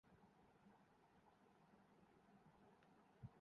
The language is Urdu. عصری سیاست میں دینی ماخذ سے استدلال‘ نازک کام ہے۔